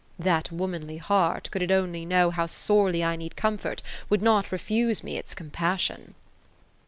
That womanly heart, could it only know how sorely I need comfort, would not refuse me its compassion.